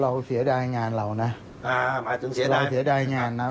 เสียดายงานเรานะอ่าหมายถึงเสียดายเสียดายงานนะ